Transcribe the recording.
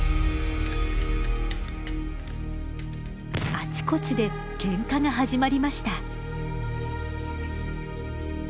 あちこちでけんかが始まりました。